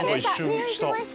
においしました。